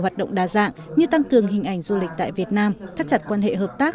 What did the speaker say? hoạt động đa dạng như tăng cường hình ảnh du lịch tại việt nam thắt chặt quan hệ hợp tác